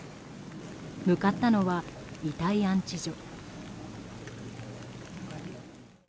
向かったのは、遺体安置所。